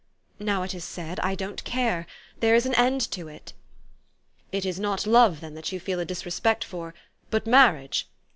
Now it is said, I don't care. There is an end to it." "It is not love, then, that you feel a disrespect for, but marriage?